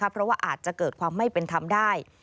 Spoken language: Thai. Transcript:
เพราะว่าอาจจะเกิดความไม่เป็นธรรมได้